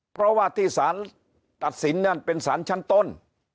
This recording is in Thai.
เพราะว่าที่สารตัดสินนั่นเป็นสารชั้นต้น